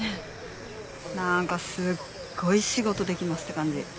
なんかすっごい仕事できますって感じ。